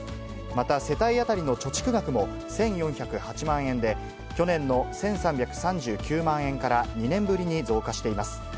また世帯当たりの貯蓄額も１４０８万円で、去年の１３３９万円から２年ぶりに増加しています。